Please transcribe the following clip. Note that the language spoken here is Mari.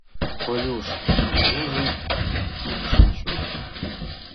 — Колюш южым ӱпшынчӧ.